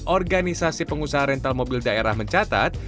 organisasi pengusaha rental mobil daerah mencatat